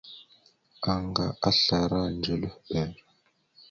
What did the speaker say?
Anga aslara ndzœlœhɓer.